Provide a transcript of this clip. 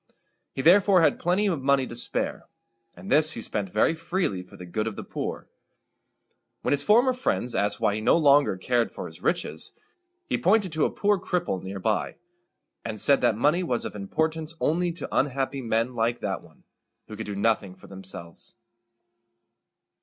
He therefore had plenty of money to spare, and this he spent very freely for the good of the poor. When his former friends asked why he no longer cared for his riches, he pointed to a poor cripple near by, and said that money was of importance only to unhappy men like that one, who could do nothing for themselves.